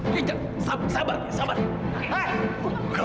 papa papa papa udah